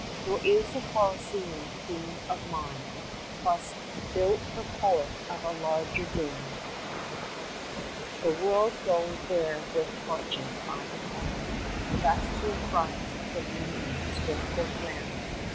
80 Nor is the Coliseum theme of mine, 'Twas built for poet of a larger daring; The world goes there with torches, I decline Thus to affront the moonbeams with their flaring.